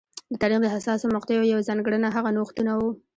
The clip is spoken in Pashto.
د تاریخ د حساسو مقطعو یوه ځانګړنه هغه نوښتونه وو